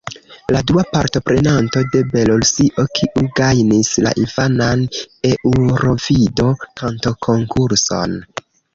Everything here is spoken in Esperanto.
La dua partoprenanto de Belorusio, kiu gajnis la infanan Eŭrovido-Kantokonkurson.